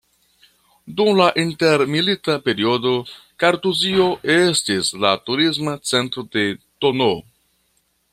Dum la intermilita periodo Kartuzio estis la Turisma Centro de tn.